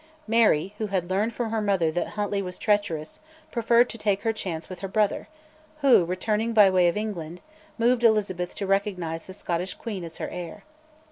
Mary, who had learned from her mother that Huntly was treacherous, preferred to take her chance with her brother, who, returning by way of England, moved Elizabeth to recognise the Scottish queen as her heir.